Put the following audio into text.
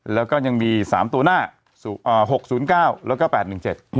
แล้วก็ยังมีสามตัวหน้าหกศูนย์เก้าแล้วก็แปดหนึ่งเจ็ด